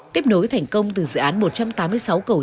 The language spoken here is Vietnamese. tiếp nối thành công từ dự án một trăm tám mươi sáu cầu